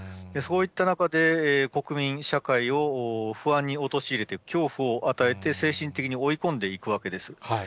そういった中で、国民社会を不安に陥れていく、恐怖を与えて、精神的に追い込んでいくわけです。